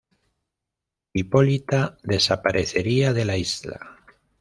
Hipólita desaparecería de la isla.